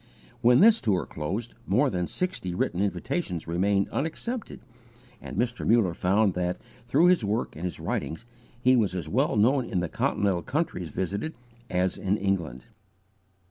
When this tour closed more than sixty written invitations remained unaccepted, and Mr. Muller found that, through his work and his writings, he was as well known in the continental countries visited, as in England.